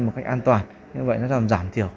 một cách an toàn như vậy nó làm giảm thiểu